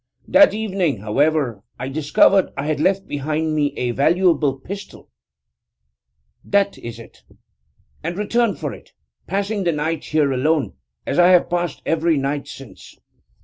That evening, however, I discovered I had left behind me a valuable pistol (that is it) and returned for it, passing the night here alone, as I have passed every night since.